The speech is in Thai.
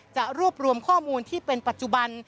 จะรวบรวมข้อมูลที่เป็นปัจจุบัน